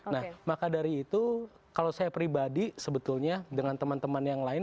nah maka dari itu kalau saya pribadi sebetulnya dengan teman teman yang lain